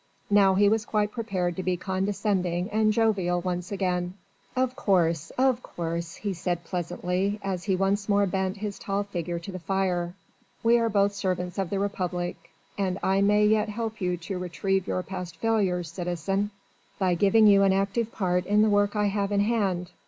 Now he was quite prepared to be condescending and jovial once again: "Of course, of course," he said pleasantly, as he once more bent his tall figure to the fire. "We are both servants of the Republic, and I may yet help you to retrieve your past failures, citizen, by giving you an active part in the work I have in hand.